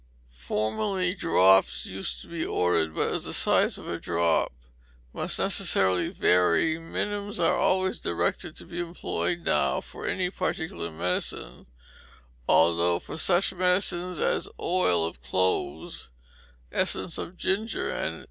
Formerly drops used to be ordered, but as the size of a drop must necessarily vary, minims are always directed to be employed now for any particular medicine, although for such medicines as oil of cloves, essence of ginger, &c.